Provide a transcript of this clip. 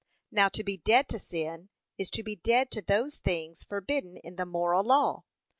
Now to be dead to sin, is to be dead to those things forbidden in the moral law.